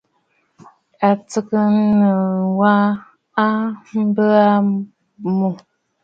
Àtì nɨlwèn a bə aa mû.